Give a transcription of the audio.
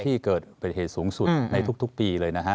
ที่เกิดเหตุสูงสุดในทุกปีเลยนะฮะ